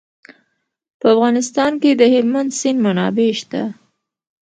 په افغانستان کې د هلمند سیند منابع شته.